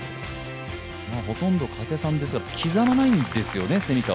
ほとんど加瀬さんですが刻まないんですよね、蝉川。